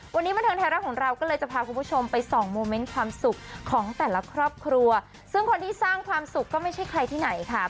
วันนี้บันเทิงไทยรัฐของเราก็เลยจะพาคุณผู้ชมไปส่องโมเมนต์ความสุขของแต่ละครอบครัวซึ่งคนที่สร้างความสุขก็ไม่ใช่ใครที่ไหนค่ะ